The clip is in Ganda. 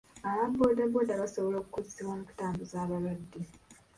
Aba booda booda basobola okukozesebwa mu kutambuza abalwadde.